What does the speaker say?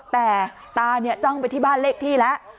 แต่ตาจ้องไปที่บ้านเลขที่แล้ว